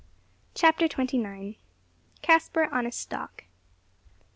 CHAPTER TWENTY NINE. CASPAR ON A STALK.